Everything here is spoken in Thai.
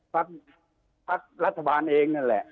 พักรัฐบาลเองนั่นแหละ